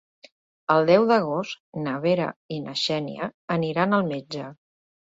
El deu d'agost na Vera i na Xènia aniran al metge.